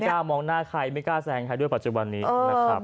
กล้ามองหน้าใครไม่กล้าแซงใครด้วยปัจจุบันนี้นะครับ